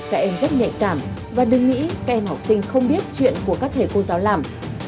các em rất nhạy cảm và đừng nghĩ các em học sinh không biết chuyện của các thầy cô giáo làm